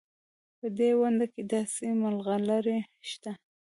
په دې ونډه کې داسې ملغلرې شته.